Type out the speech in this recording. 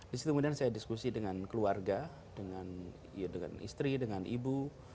di situ kemudian saya diskusi dengan keluarga dengan istri dengan ibu